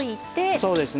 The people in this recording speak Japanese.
そうですね。